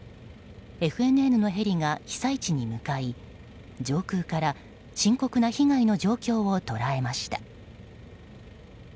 ＦＮＮのヘリが被災地に向かい上空から深刻な被害の状況を捉えました。